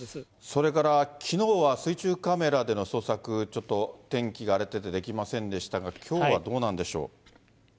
それから、きのうは水中カメラでの捜索、ちょっと天気が荒れててできませんでしたが、きょうはどうなんでしょう。